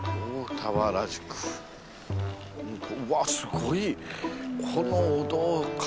うわすごい。